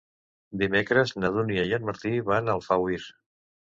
Dimecres na Dúnia i en Martí van a Alfauir.